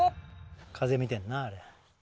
風見てんなあれ。